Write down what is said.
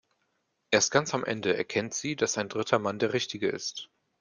Erst ganz am Ende erkennt sie, dass ein dritter Mann der Richtige ist.